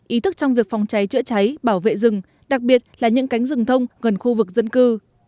ý thức trong việc phòng cháy chữa cháy bảo vệ rừng đặc biệt là những cánh rừng thông gần khu vực dân cư